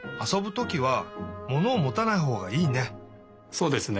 そうですね。